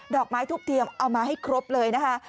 อกไม้ทุบเทียมเอามาให้ครบเลยนะคะ